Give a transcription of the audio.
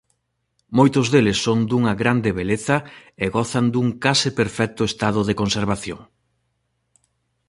Moitos deles son dunha grande beleza e gozan dun case perfecto estado de conservación.